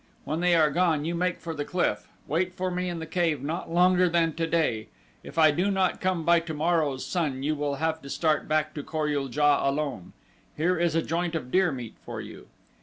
When they are gone you make for the cliff. Wait for me in the cave not longer than today. If I do not come by tomorrow's sun you will have to start back for Kor ul JA alone. Here is a joint of deer meat for you."